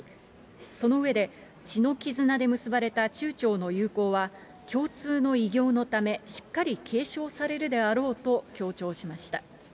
その上で、血の絆で結ばれた中朝の友好は共通の偉業のため、しっかり継承されるであろうと強調しました。